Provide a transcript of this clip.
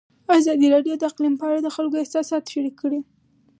ازادي راډیو د اقلیم په اړه د خلکو احساسات شریک کړي.